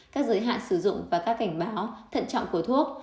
các giới hạn sử dụng và các cảnh báo thận trọng của thuốc